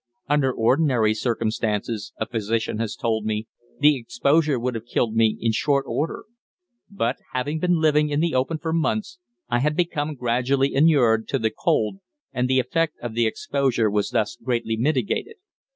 Under ordinary circumstances, a physician has told me, the exposure would have killed me in short order; but, having been living in the open for months, I had become gradually inured to the cold, and the effect of the exposure was thus greatly mitigated.